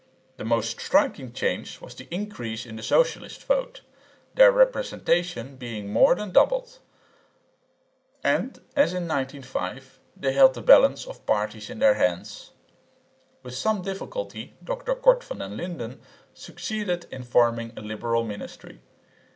The most striking change was the increase in the socialist vote, their representation being more than doubled; and, as in 1905, they held the balance of parties in their hands. With some difficulty Dr Cort van den Linden succeeded in forming a liberal ministry.